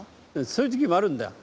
そういうときもあるんだよ。